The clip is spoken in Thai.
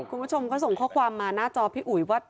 คุณผู้ชมก็ส่งข้อความมาหน้าจอพี่อุ๋ยว่า